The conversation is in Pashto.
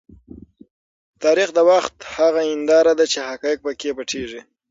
تاریخ د وخت هغه هنداره ده چې حقایق په کې نه پټیږي.